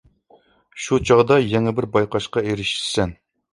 شۇ چاغدا يېڭى بىر بايقاشقا ئېرىشىسەن.